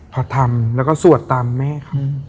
พอทำแล้วก็สวดตามแม่เขา